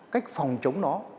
cách phòng chống nó